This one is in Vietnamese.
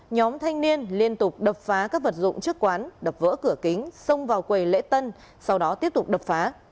nhóm thanh niên liên tục đập phá các vật dụng trước quán đập vỡ cửa kính xông vào quầy lễ tân sau đó tiếp tục đập phá